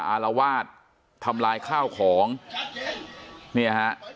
อารวาดทำลายข้าวของนะฮะ